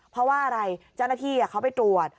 เพราะว่าอะไรเจ้าหน้าที่เขาไปตรวจ